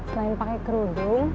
selain pakai kerudung